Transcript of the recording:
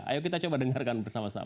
ayo kita coba dengarkan bersama sama